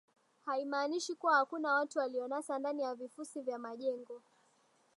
haimaanishi kuwa hakuna watu walionasa ndani ya vifusi vya majengo